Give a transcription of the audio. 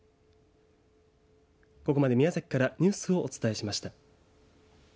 ここまで宮崎からニュースをお伝えしました。